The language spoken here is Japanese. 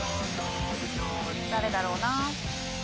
誰だろうな？